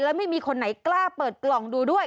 แล้วไม่มีคนไหนกล้าเปิดกล่องดูด้วย